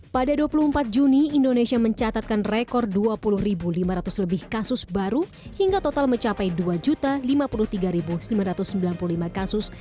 pada dua puluh empat juni indonesia mencatatkan rekor dua puluh lima ratus lebih kasus baru hingga total mencapai dua lima puluh tiga sembilan ratus sembilan puluh lima kasus